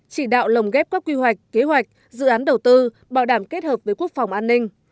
chỉ đạo lồng ghép các quy hoạch kế hoạch dự án đầu tư bảo đảm kết hợp với quốc phòng an ninh